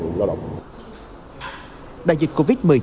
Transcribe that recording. đại dịch covid một mươi chín các doanh nghiệp đều thiếu một nguồn do động